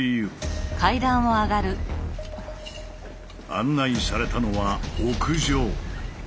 案内されたのは屋上。